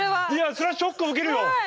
それはショックを受けるよ。